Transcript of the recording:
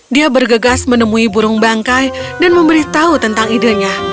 dia bergegas menemui burung bangkai dan memberitahu tentang idenya